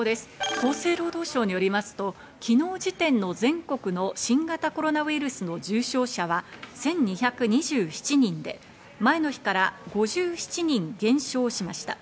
厚生労働省によりますと、昨日時点の全国の新型コロナウイルスの重症者は１２２７人で、前の日から５７人減少しました。